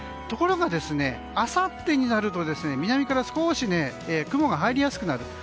ところが、あさってになると南から少し雲が入りやすくなる。